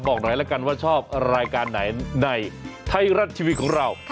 บอกหน่อยแล้วกันว่าชอบรายการไหนในไทยรัฐทีวีของเรา